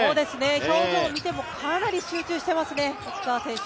表情を見てもかなり集中してますね、市川選手。